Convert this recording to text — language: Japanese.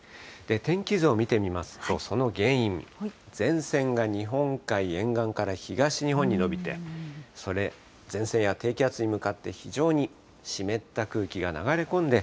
天気図を見てみますと、その原因、前線が日本海沿岸から東日本に延びて、それ、前線や低気圧に向かって、非常に湿った空気が流れ込んで、